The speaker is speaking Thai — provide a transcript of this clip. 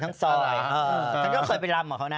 ทั้งส่อยจะไปรำเหรอเขานะ